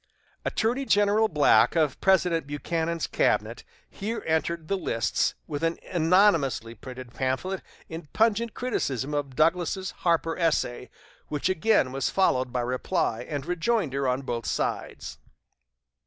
Attorney General Black of President Buchanan's cabinet here entered the lists with an anonymously printed pamphlet in pungent criticism of Douglas's "Harper" essay; which again was followed by reply and rejoinder on both sides.